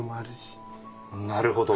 なるほど。